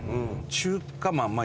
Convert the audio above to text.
中華まんまあ